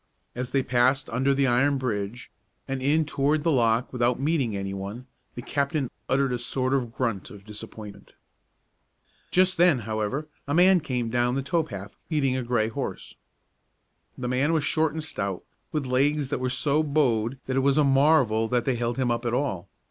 As they passed under the iron bridge and in toward the lock without meeting any one, the captain uttered a sort of grunt of disappointment. Just then, however, a man came down the tow path, leading a gray horse. The man was short and stout, with legs that were so bowed that it was a marvel that they held him up at all.